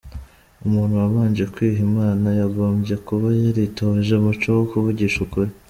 Umuntu wabanje kwiha Imana, yagombye kuba yaritoje umuco wo kuvugisha ukuri.